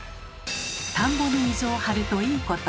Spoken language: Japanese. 田んぼに水を張ると「いいこと」